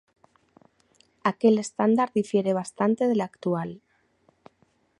Aquel estándar difiere bastante del actual.